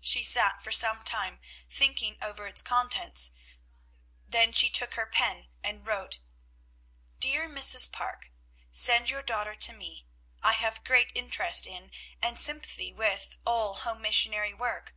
She sat for some time thinking over its contents, then she took her pen, and wrote: DEAR MRS. PARKE, Send your daughter to me. I have great interest in, and sympathy with, all Home Missionary work.